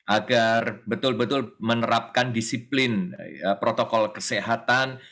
agar betul betul menerapkan disiplin protokol kesehatan